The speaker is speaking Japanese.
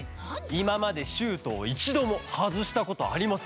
いままでシュートをいちどもはずしたことありません。